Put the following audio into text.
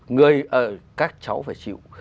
người các cháu phải chịu